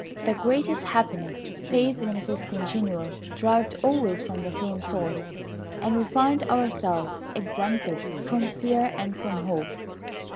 The greatest happiness fades when it is continual, derived always from the same source, and we find ourselves exempted from fear and from hope.